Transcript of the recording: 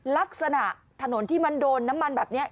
ลักษณะถนนที่มันโดนน้ำมันแบบนี้